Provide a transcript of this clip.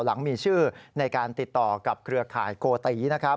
หลังมีชื่อในการติดต่อกับเครือข่ายโกตินะครับ